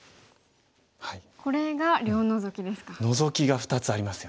これが両ノゾキですか。